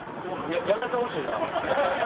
やめてほしいな。